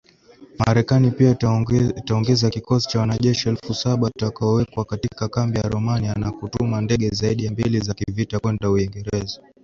Marekani pia itaongeza kikosi cha wanajeshi elfu saba, watakaowekwa katika kambi ya Romania, na kutuma ndege zaidi ya mbili za kivita kwenda Uingereza